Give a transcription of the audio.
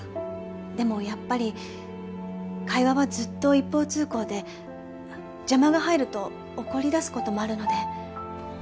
でもやっぱり会話はずっと一方通行で邪魔が入ると怒りだす事もあるので。